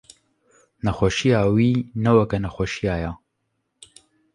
nexweşiya wî ne wek nexweşa ye.